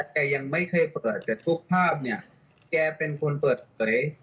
แต่แกยังไม่เคยเปิดแต่แบบนี้แกเป็นคนเปิดเปล่ย